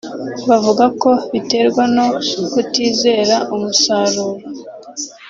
Bavuga ko biterwa no kutizera umusaruro